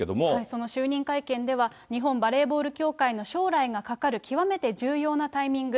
その就任会見では、日本バレーボール協会の将来がかかる極めて重要なタイミング。